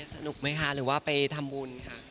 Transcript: สนุกไหมคะหรือว่าไปทำบุญค่ะ